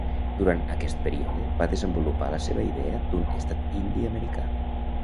Durant aquest període va desenvolupar la seva idea d'un estat indi americà.